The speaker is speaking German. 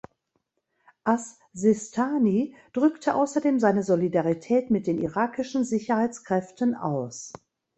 As-Sistani drückte außerdem seine Solidarität mit den irakischen Sicherheitskräften aus.